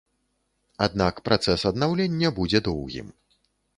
Аднак працэс аднаўлення будзе доўгім.